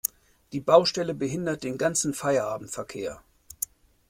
Die Baustelle behinderte den ganzen Feierabendverkehr.